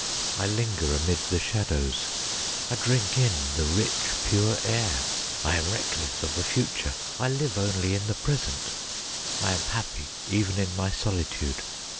I linger amid the shadows ; I drink in the rich, pure air ; I am reckless of the future, I live only in the present ; I am happy even in my solitude.